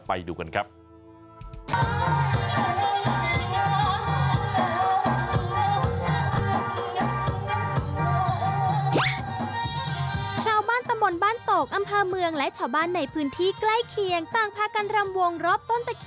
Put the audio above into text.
ไปดูกันครับ